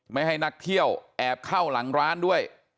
ไม่ให้นักเที่ยวแอบเข้าหลังร้านด้วย